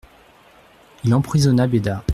Il emprisonna Béda.